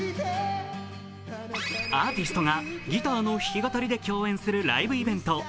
アーティストがギターの弾き語りで共演するライブイベント